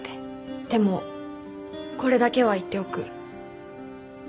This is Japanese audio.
でもこれだけは言っておく。